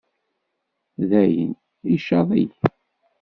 Dayen, icaḍ-iyi.